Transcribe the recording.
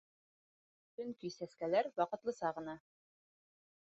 Сөнки сәскәләр ваҡытлыса ғына.